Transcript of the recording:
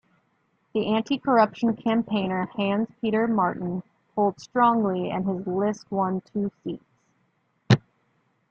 The anti-corruption campaigner Hans-Peter Martin polled strongly and his list won two seats.